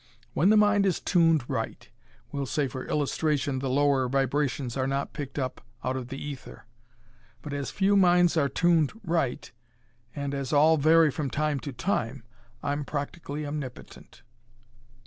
When the mind is tuned right, we'll say for illustration, the lower vibrations are not picked out of the ether. But as few minds are tuned right, and as all vary from time to time, I'm practically omnipotent."